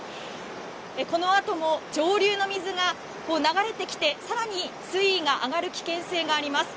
このあとも上流の水が流れてきて更に水位が上がる危険性があります。